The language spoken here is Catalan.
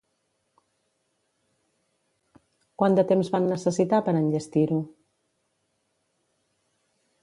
Quant de temps van necessitar per enllestir-ho?